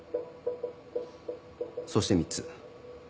そして３つ。